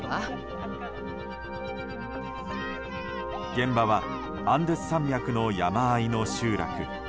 現場はアンデス山脈の山あいの集落。